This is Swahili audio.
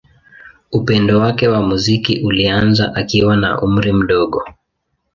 Upendo wake wa muziki ulianza akiwa na umri mdogo.